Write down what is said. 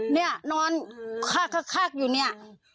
เนี่ยนอนคักอยู่เนี่ย